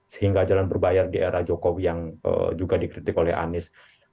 sehingga jalan berbayar di era jokowi yang juga dikritik oleh anies